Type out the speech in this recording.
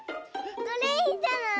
これいいんじゃない？